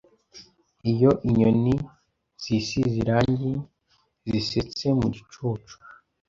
Iyo inyoni zisize irangi zisetse mu gicucu